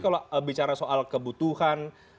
kalau bicara soal kebutuhan